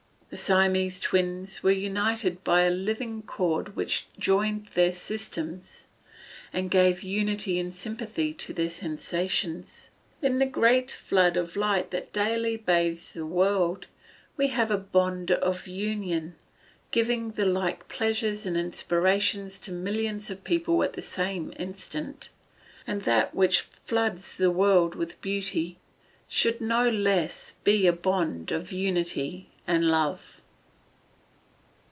The Siamese twins were united by a living cord which joined their systems, and gave unity and sympathy to their sensations. In the great flood of light that daily bathes the world, we have a bond of union, giving the like pleasures and inspirations to millions of people at the same instant. And that which floods the world with beauty, should no less be a bond of unity and love.